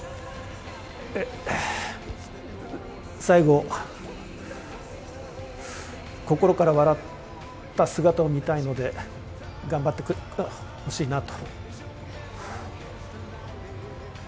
最後、心から笑った姿を見たいので、頑張ってほしいなと。